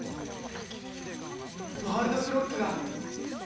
ワールドクロックが。